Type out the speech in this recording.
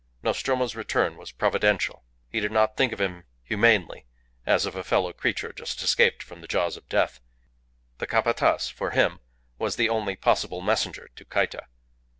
Nostromo's return was providential. He did not think of him humanely, as of a fellow creature just escaped from the jaws of death. The Capataz for him was the only possible messenger to Cayta.